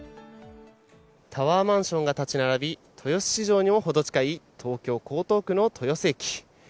タワーマンションが建ち並び、豊洲市場にもほど近い東京・江東区の豊洲駅。